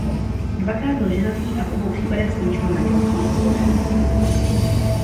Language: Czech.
Dvakrát byl ženatý a v obou případech skončilo manželství rozvodem.